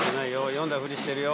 読んだフリしてるよ。